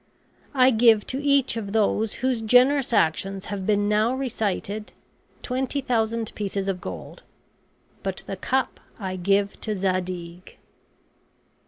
I give to each of those whose generous actions have been now recited twenty thousand pieces of gold; but the cup I give to Zadig."